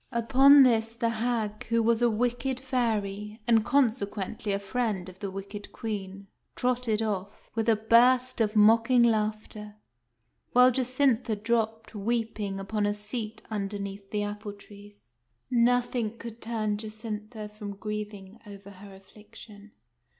Upon this the hag, who was a wicked fairy, and, conse quently, a friend of the wicked Queen, trotted off, with a burst of mocking laughter; while Jacintha dropped, weeping, upon a seat underneath the apple trees. Nothing could turn Jacintha from grieving over her affliction.